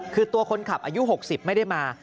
คือตัวคนขับอายุ๖๐ไม่ได้มา